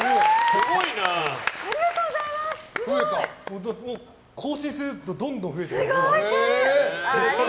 すごい。更新するとどんどん増えていきます。